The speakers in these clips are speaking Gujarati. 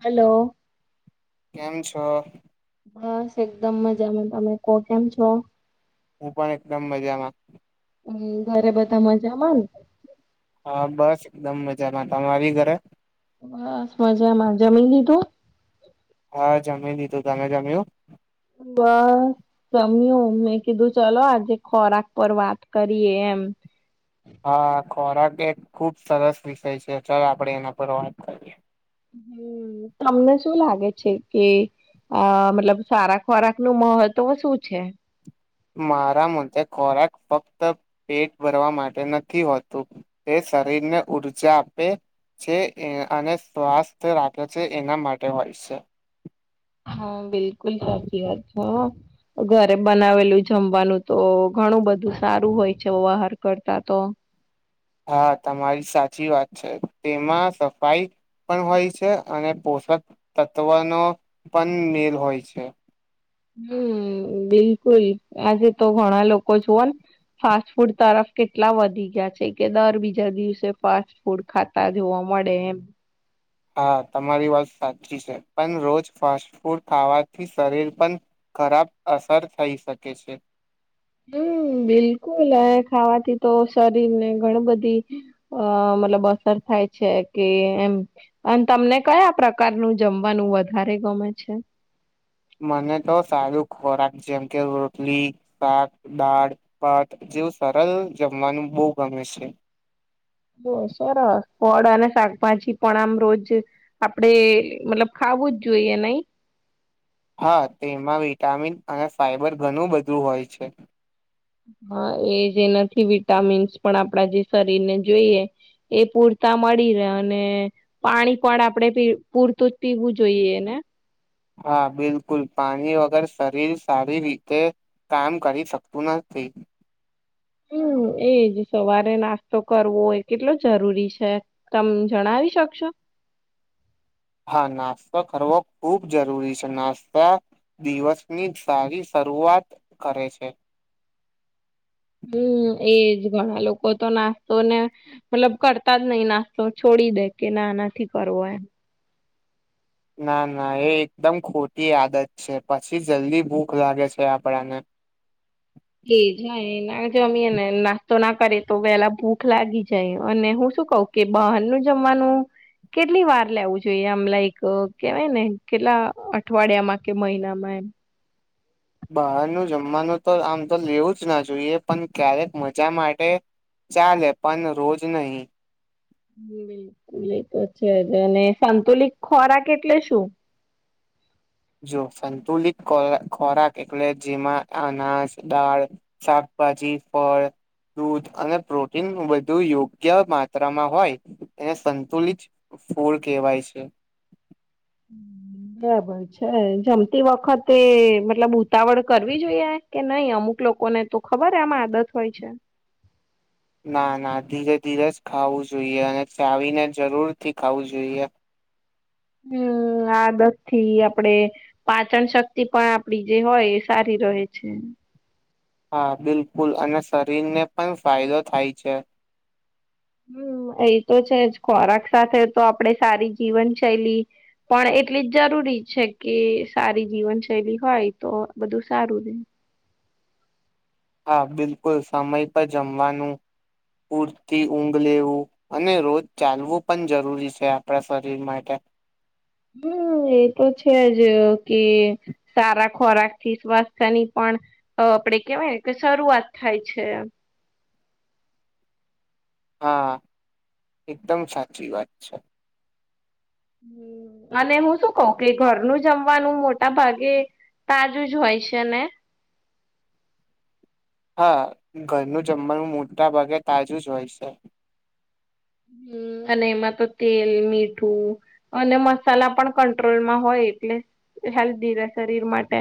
હલો એમ છો બસ એકદમ મજામાં તમે કો કેમ છો હું પણ એકદમ મજામાં હમ ઘરે બધા મજા હા બસ એકદમ મજામાં તમારી ઘરે બસ મજામાં જમી લીધું હા જમી લીધું તમે જમ્યું વાહ રમ્યું મેં કીધું ચલો આજે ખોરાક પર વાત કરીએ એમ હા ખોરાક એક ખુબ સરસ વિષય છે ચાલ આપડે એના પર વાત કરીએ હમ તમને શું લાગે છે કે અ મતલબ સારા ખોરાક નું મહલ તો શું છે મારા મચે ખોરાક ફક્ત પેટ ભરવા માટે નથી હોતું શરીરને ઊર્જા આપે છે અને સ્વાસ્થ રાખે છે, એના માટે હોય છે. હા બિલકુલ સાચી વાત છે, હ ઘરે બનાવેલું જમવાનું તો ઘણું બધું સારું હોય છે, બાહાર કરતા તો હા તમારી સાચી વાત છે, તેમાં સફાઈ પણ હોય છે, અને પોષક તત્વનો પન મેલ હોય છે. હમ બિલકુલ આજે તો ઘણા લોકો જુવાન ફાસ્ટ ફૂડ તરફ કેટલા વધી ગયા છે, કે દર બીજા દિવસે ફાસ્ટ ફૂડ ખાતા જોવા મળે એમ હા તમારી વાત સાચી છે, પણ રોજ ફાસ્ટ ફૂડ ખાવાથી શરીર પન ખરાબ અસર થઈ શકે છે. હમ. બિલકુલ એ ખાવાથી તો શરીરને ઘણી બધી અ મતલબ અસર થાય છે કે એમ અને તમને કયા પ્રકારનું જમવાનું વધારે ગમે છે. હ મને તો સારું ખોરાક જેમ કે રોટલી, શાક, દાળ, ભાત, જેવું સરલ જમવાનું બો ગમે છે. બો સરસ ફળ અને શાકભાજી પણ આમ રોજ આપડે મતલબ ખા વું જ જોઈએ નઈ હા તેમાં વિટામિન અને ફાઈબર ઘણું બધું હોય છે. હા એ જ એનાથી વિટામિન્સ પણ આપણા જે શરીરને જોઈએ એ પૂર તા મળી રહે અને પાણી પણ આપણેે પી પૂરતું જ પીવું જોઈએને હા બિલકુલ પાણી વગર શરીર સારી રીતે કમ કરી શકતું નથી હમ. એજ સવારે નાસ્તો કરવો એ કેટલો જરૂરી છે, તમે જણાવી શકશો? હા નાસ્તો કરવો ખૂબ જરૂરી છે, નાસ્તા દિવસની સારી શરૂઆત કરે છે. હમ એજ ઘણા લોકો તો નાસ્તો ને મતલબ કરતા જ નહી નાસ્તો છો ડી દે કે ના નથી કરવો એમ ના ના એ એકદમ ખોટી આદત છે, પછી જલ્દી ભૂખ લાગે છે, આપણાને તો ના કરે તો વેલા ભૂખ લાગી જાય અને હું શું કહું કે બહારનું જમવાનું કેટલી વાર લેવુ જોઈએ આમ લાઈક કેવાય ને કેટલા અઠવાડિયામાં કે મહિનામાં એમ [inaudible] બહારનું જમવાનું તો આમ તો લેવું જ ના જોઈએ પન ક્યારેક મજા માટે ચાલે પણ રોજ નહી બિલકુલ એતો છે, જ અને સંતુલિત ખોરાક એટલે શું? હ જો સંતુલિત ખો ખોરાક એટલે જેમાં અનાજ દાળ શાક ભાજી, ફળ, દૂધ અને પ્રોટીન વધુ યોગ્ય માત્રામાં હોય એને સંતુલિત ફૂડ કેવાય છે. [inaudible] હમ. બરાબર છે જમતી વખતે મતલબ ઉતાવળ કરવી જોઈએ કે નહી અમુક લો કોને તો ખબર એમ આદત હોય છે. ના ના ધીરે ધીરે જ ખાવું જોઈએ અને ચાવીને જરૂરથી ખાવું જોઈએ હ હમ આદત થી આપડે પાચન શક્તિ પણ આપડી જે હોય એ સારી ર છે હા બિલકુલ અને શરીરને પણ ફાયદો થાય છે હમ એ તો છે જ ખોરાક સાથે તો આપડ સારી જીવનશૈલી પણ એટલી જ જરૂરી છે કે સારી જીવનશૈલી હોય તો બધું સારું રહેે હા બિલકુલ સમય પર જમવાનું પૂરતી ઊંઘ લેવું અને રોજ ચાલવું પણ જરૂરી છે આપણા શરીર માટે [inaudible] હમ એ તો છે જ કે સારા ખોરાક થી સ્વાસ્થ્ય ની પણ આપડે કેવાય કે શરૂઆત થાય છે હા એકદમ સાચી વાત છે અને હું શું કઉ કે ઘરનું જમવાનું મોટા ભાગે તાજું જ હોય છે ને હા ઘરનું જમવાનું મોટા ભાગે તાજું જ હોય છે હમ અને એમાં તો તેલ મીઠું અને મસાલા પણ કંટ્રોલમાં હોય એટલે હેલ્દીી ર શરીર માટે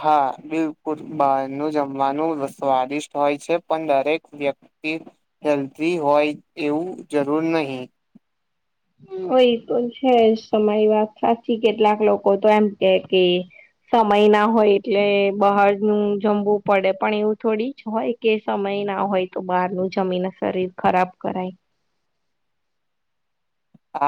હા બિલકુલ બહારનું જમવાનું સ્વાદિષ્ટ હોય છે પણ દરેક વ્યક્તિ કે હેલ્ધ હોય એવું જરૂર નહીિ [inaudible] એ એ તો છે તમાય વાત સાચી કેટલાક લોકો તો એમ કે કે સમય ના હોય એટલે બહારનુંું જમવું પડે પણ એવું થોડી જ હોય કે સમય ના હોય તો બહાર નું જમીન શરીર ખરાબ કરાય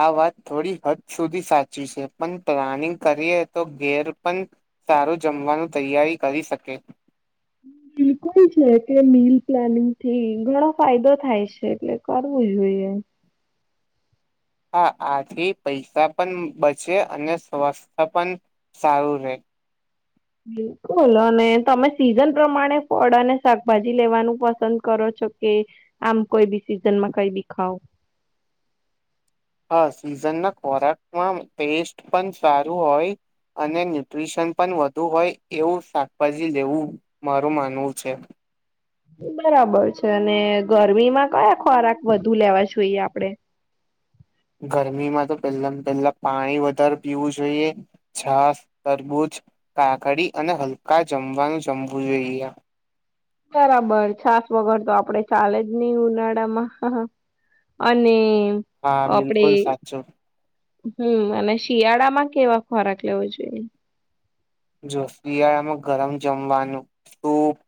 આ વાત થોડી હદ સુધી સાચી છે પણ પ્લાનિંગ કરીએ તો ઘેર પણ સારું જમવાનું તૈયારી કરી શકે હમ બિલકુલ છે કે મીલ પ્લાનિંગ થી ઘણો ફાયદો થાય છે એટલે કરવું જોઈએ [inaudible] હા આથી પૈસા પણ બચે અને સ્વસ્થ પણ સારું રહે બિલકુલ અને તમે સીઝન પ્રમાણે ફળ અને શાકભાજી લેવાનું પસંદ કરો છો કે આમ કોઈ બી સીઝનમાં કઈ બી ખાવ હા સીઝન ના ખોરાકમાં ટેસ્ટ પણ સારું હોય અને ન્યુટ્રીશન પણ વધુ હોય એવું શાકભાજી લેવું મારું માનવું છે બરાબર છે અને ગરમીમાં કયા ખોરાક વધુ લેવા જોઈએ આપડે [inaudible] ગરમીમાં તો પેલા પેલા પાણી વધારે પીવું જોઈએ છાસ તરબુંજ કાકડી અને હલકા જમવાનું જમવું જોઈએ બરાબર છાસ વગર તો આપડે ચાલે જ નહી ઉનાળામાં અને હા આપડે બિલકુલ સાચું હમ અને શિયાળામાં કેવા ખોરાક લેવો જોઈએ જો શિયાળામાં ગરમ જમવાનું સૂપ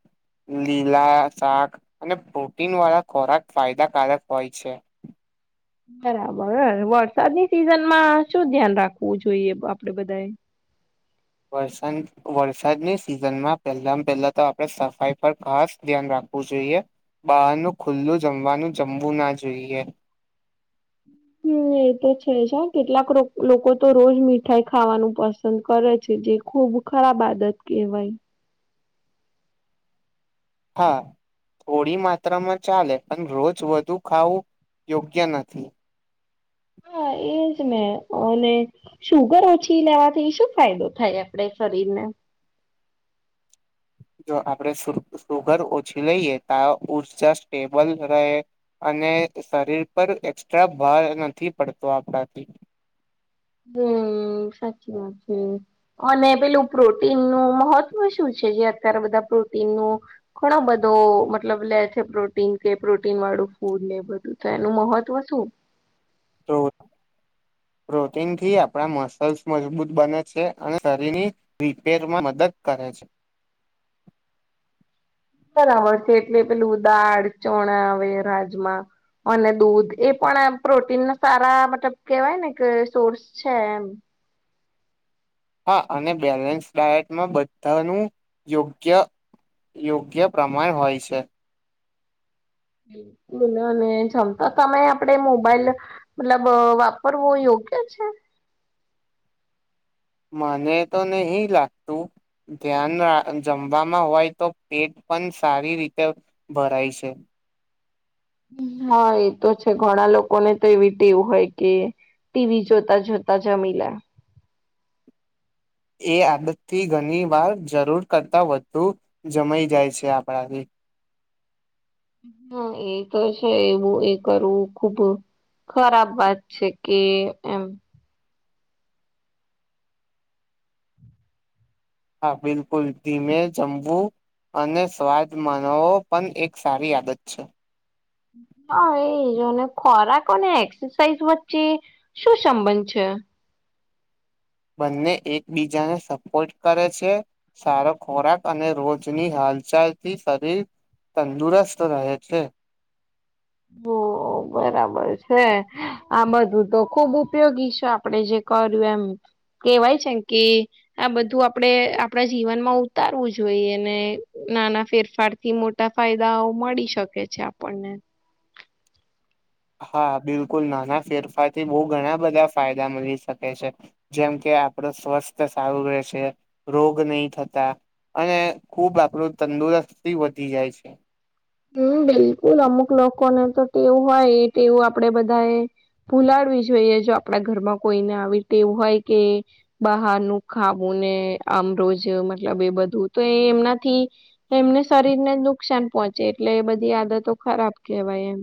લીલા શાક અને પ્રોટીન વાળા ખોરાક ફાયદાકારક હોય છે [inaudible] બરાબર વરસાદની સિઝન માં શું ધ્યાન રાખવું જોઈએ આપડે બધાએ [inaudible] વરસાદની સિઝન માં પહેલા પહેલા તો આપડે સફાઈ પર ખાસ ધ્યાન રાખવુ જોઈએ બહારનું ખુલ્લું જમવાનું જમવું ના જોઈએ [inaudible] હમ એ તો છે જ કેટલાક લોકો તો રોજ મીઠાઈ ખાવાનું પસંદ કરે છે જે ખૂબ ખરાબ આદત કેવાય હા થોડી માત્રામાં ચાલે પણ રોજ વધુ ખાવું યોગ્ય નથી હા એજન્ટ અને સુગર ઓછી લેવાથી શું ફાયદો થાય આપડા શરીર ને [inaudible] જો આપણેે સુગર ઓછી લઈએ તો ઉર્જા સ્ટેબલ રહે અને શરીર પર એકક્સ્ટ્રા ભાર નથી પડતો આપણાથી હમ સાચી વાત છે અને પેલું પ્રોટીનનું મહત્વ શું છે જે અત્યારે બધા પ્રોટીનનું ઘણો બધો મતલબ લે છે પ્રોટીન કે પ્રોટીન વાળું ફૂડ ને એ બધું તો એનું મહત્વ શું તો [inaudible] પ્રોટીન થી આપણા મસલ્સ મજબૂત બને છે અને શરીરની રિપેરમાં મદદ કરે છે [inaudible] બરાબર છે એટલે પેલું દાળ ચણા આવે રાજમા અને દૂધ એ પણ પ્રોટીનના સારા મતલબ કેહેવાય ને કે સોર્સ છે એમ હા અને બેલેન્સ ડાયટમાં બધાનું યોગ્ય યોગ્ય પ્રમાણે હોય છે બિલકુલ અને જમતા તમે આપડે મોબાઈલ મતલબ વાપરવો યોગ્ય ઓકે છે મને તો નહી લાગતું ધ્યાન જમવામાં હોય તો પેટ પણ સારી રીતે ભરાય છે હા એતો છે ઘણા લોકોને તો એવી ટેવ હોય કે ટીવી જોતા જોતા જમીલે એ આદતથી ઘણી વાર જરૂર કરતા વધુ જમાઈ જાય છે આપણાથી હા એ તો છે એવું એ કરવું ખુબ ખરાબ વાત છે કે એમ હા બિલકુલ ધીમે જમવું અને સ્વાદ માનવો પણ એક સારી આદત છે હા એજને ખોરાક ને એક્સરસાઇઝ વચ્ચે શું સંબંધ છે [inaudible] બંને એકબીજાને સપોર્ટ કરે છે સારો ખોરાક અને રોજની હાલચાલ થી શરીર તંદુરસ્ત રહે છે હોઓ હો બરાબર છે. આ બધું તો ખુબ ઉપયોગી છ, આપડે જે કર્યું એમ કેવાય છેમ કે, આ બધું આપડે આપડા જીવનમાં ઉતારવું જોઈએ અને નાના ફેરફાર થી મોટા ફાયદાઓ મળી શકે છે આપણને. હા બિલકુલ નાના ફેરફારથી બહુ ઘણા બધા ફાયદા મળી શકે છે. જેમ કે કે આપડે સ્વસ્થ સારું રહેશે રોગ નહી થતા અને ખૂબ આપણું તંદુરસ્ત વધી જાય છે. હમ્મ બિલકુલ અમુક લોકોને તો ટેવું હોય એ ટેવ આપડે બધાએ ફુલાડવી જોઈએ જો આપડા ઘરમાં કોઈને આવી ટેવ હોય કે બહારનું ખાવું ને આમ રોજ મતલબ એ બધું તો એ એમનાથી એમને શરીર ને નુકસાન પહચ ચે એટલે એ બધી આદતો ખરાબ કેવાય એમ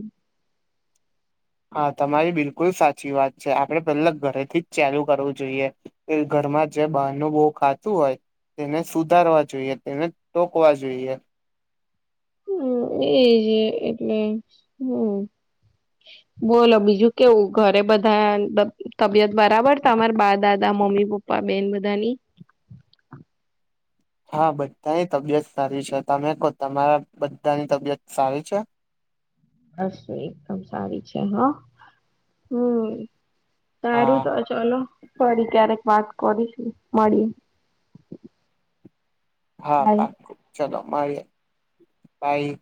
હા તમારી બિલકુલ સાચી વાત છે. આપડે પહેલા ઘરેથી જ ચાલુ કરવું જોઈએ [unintelligible] ઘમાં જે બહારનું બહુ ખાતું હોય તેને સુધારવા જોઈએ, તેને ટોકવા જોઈએ. હમ્મ એજ એ એટલે હમ્મ બોલો બીજું કેવું ઘરે બધા તવ તબિયત બરાબર? તમારે બા દાદા મમ્મી, પપ્પા, બેન બધાની હા બધાની તબિયત સારી છે. તમે કો તમારા બધાની તબિયત સારી છે? બસ એકદમ સારી છે. હા હમ્મ સારું હા તો ચલો ફરી ક્યારેક વાત કરીશું મળી હા પાક્કુ, ચલો મળીએ બાય.